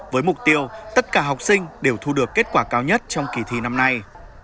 với mục tiêu tất cả học sinh đều thu được kết quả cao nhất trong kỳ thi năm nay